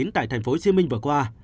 tại thành phố hồ chí minh vừa qua